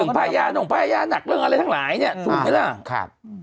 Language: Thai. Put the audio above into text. ถึงภายใยหน่อยภายใยหนักเรื่องอะไรอันหลายเนี่ยถูกมั้ยล่ะ